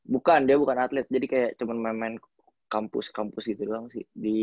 bukan dia bukan atlet jadi kayak cuma main main kampus kampus gitu doang sih